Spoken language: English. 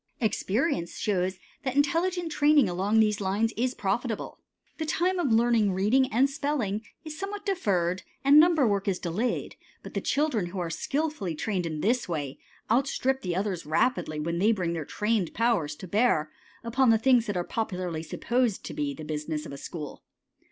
Experience shows that intelligent training along these lines is profitable. The time of learning reading and spelling is somewhat deferred, and number work is delayed, but the children who are skilfully trained in this way outstrip the others rapidly when they bring their trained powers to bear upon the things that are popularly supposed to be the business of a school.